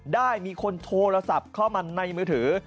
ได้มีคนโทรศัพท์เข้ามาในมือถือ